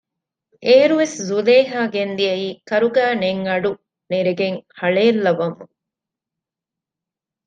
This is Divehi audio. އޭރުވެސް ޒުލޭހާ ގެންދިއައީ ކަރުގައި ނެތް އަޑު ނެރެގެން ހަޅޭއްލަވަމުން